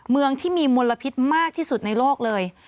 เมืองที่มีมลพิษมากที่สุดในโลกเลย